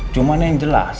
cuman yang jelas